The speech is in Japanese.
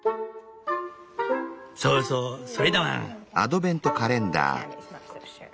そうそうそれだワン」。